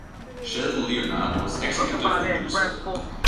Sheldon Leonard was executive producer.